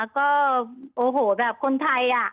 ก็โอ้โหแบบคนไทยอะ